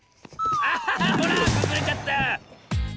あほらくずれちゃった！